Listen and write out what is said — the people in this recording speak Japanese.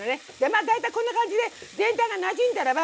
まあ大体こんな感じで全体がなじんだらばみそ。